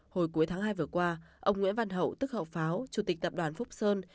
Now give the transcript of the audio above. hồi cuối tháng hai vừa qua ông nguyễn văn hậu tức hậu pháo chủ tịch tập đoàn phúc sơn